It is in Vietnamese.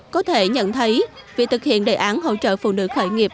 có thể nhận thấy việc thực hiện đề án hỗ trợ phụ nữ khởi nghiệp